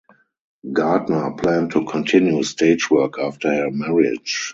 Gardner planned to continue stage work after her marriage.